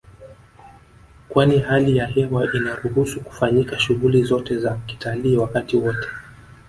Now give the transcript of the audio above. Kwani hali ya hewa inaruhusu kufanyika shughuli zote za kitalii wakati wote